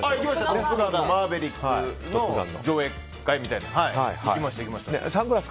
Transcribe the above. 「トップガンマーヴェリック」の上映会みたいなの行きました。